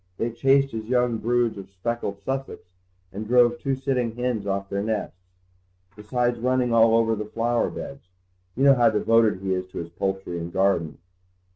"They chased his young broods of speckled Sussex and drove two sitting hens off their nests, besides running all over the flower beds. You know how devoted he is to his poultry and garden."